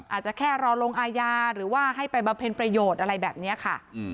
อาจจะแค่รอลงอาญาหรือว่าให้ไปบำเพ็ญประโยชน์อะไรแบบนี้ค่ะ